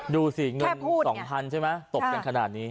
ดูสิเงิน๒๐๐๐ใช่ไหมตกกันขนาดนี้